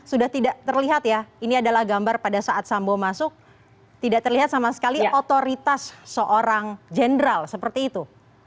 sudah tidak terlihat ya ini adalah gambar pada saat sambo masuk tidak terlihat sama sekali otoritas seorang jenderal seperti itu